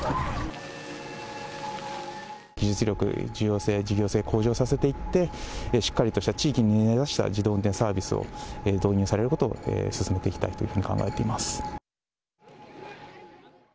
技術力、事業性などを向上させていってしっかり地域に根差した自動運転サービスを導入されることを進めていきたいと考えております。